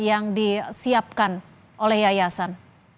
yang disiapkan oleh yayasan